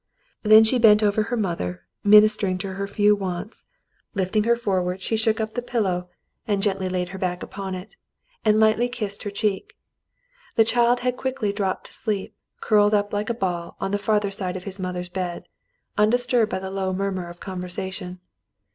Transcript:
Then she bent over her mother, ministering to her few wants ; lifting her forward, she shook up the pillow, and 24 The Mountain Girl gently laid her back upon it, and lightly kissed her cheek. The child had quickly dropped to sleep, curled up like a ball in the farther side of his mother's bed, undisturbed by the low murmur of conversation.